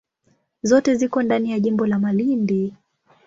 Zote ziko ndani ya jimbo la Malindi.